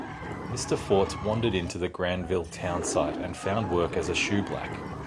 Mr. Fortes wandered into the Granville townsite and found work as a shoeblack.